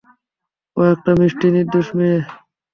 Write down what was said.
ও একটা মিষ্টি, নির্দোষ মেয়ে।